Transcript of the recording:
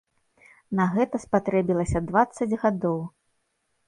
На гэта спатрэбілася дваццаць гадоў!